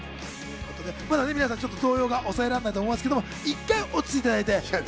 皆さん、動揺が抑えられないと思いますけど、一回落ち着いていただいて。